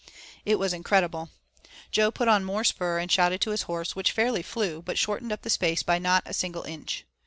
It was incredible, and Jo put on more spur and shouted to his horse, which fairly flew, but shortened up the space between by not a single inch.